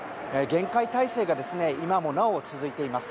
厳戒態勢が今もなお続いています。